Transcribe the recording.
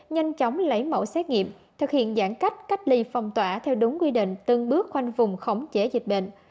nhanh chóng lấy mẫu xét nghiệm thực hiện giãn cách cách ly phong tỏa theo đúng quy định từng bước khoanh vùng khống chế dịch bệnh